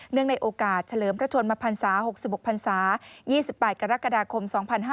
เนื่องในโอกาสเฉลิมพระชนมภรรษา๖๖ภรรษา๒๘กรกฎาคม๒๕๖๑